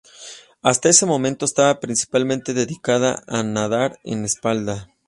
Hasta ese momento estaba principalmente dedicada a nadar en espalda.